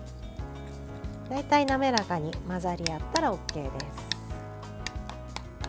大体滑らかに混ざり合ったらＯＫです。